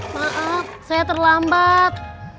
maaf saya terlambat